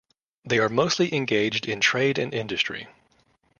They are mostly engaged in trade and industry.